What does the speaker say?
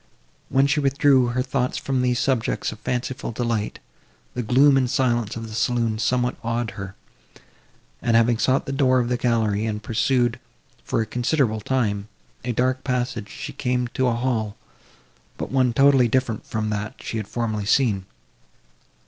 When she withdrew her thoughts from these subjects of fanciful delight, the gloom and silence of the saloon somewhat awed her; and, having sought the door of the gallery, and pursued, for a considerable time, a dark passage, she came to a hall, but one totally different from that she had formerly seen.